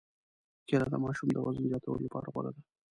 کېله د ماشوم د وزن زیاتولو لپاره غوره ده.